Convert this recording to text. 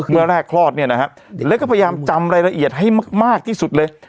เมื่อแรกคลอดเนี่ยนะฮะแล้วก็พยายามจำรายละเอียดให้มากที่สุดเลย